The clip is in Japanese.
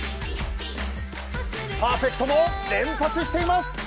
パーフェクトも連発しています。